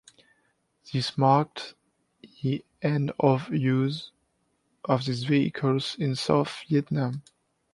This marked he end of use of these vehicles in South Vietnam.